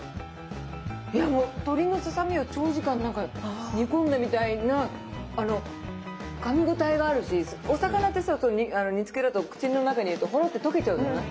いやもう鶏のささみを長時間なんか煮込んだみたいなあのかみ応えがあるしお魚ってさ煮つけると口の中に入れるとほろって溶けちゃうじゃない？